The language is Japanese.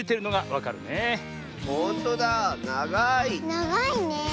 ながいねえ。